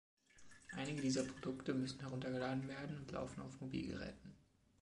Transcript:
Einige dieser Produkte müssen heruntergeladen werden und laufen auf Mobilgeräten.